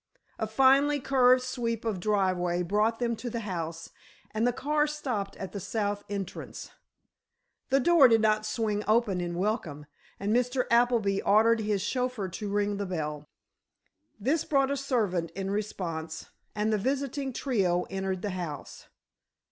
A finely curved sweep of driveway brought them to the house, and the car stopped at the south entrance. The door did not swing open in welcome, and Mr. Appleby ordered his chauffeur to ring the bell. This brought a servant in response, and the visiting trio entered the house.